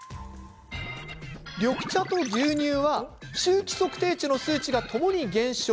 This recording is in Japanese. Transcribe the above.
緑茶と牛乳は臭気測定器の数値がともに減少。